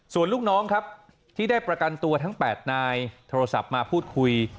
ส่วนลูกน้องครับที่ได้ประกันตัวทั้ง๘นายโทรศัพท์มาพูดคุย